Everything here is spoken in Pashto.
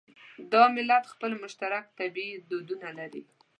دا ملت خپل مشترک طبعي دردونه لري.